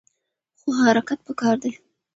خو حرکت پکار دی.